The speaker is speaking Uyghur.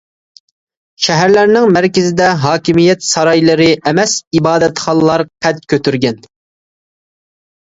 شەھەرلەرنىڭ مەركىزىدە ھاكىمىيەت سارايلىرى ئەمەس، ئىبادەتخانىلار قەد كۆتۈرگەن.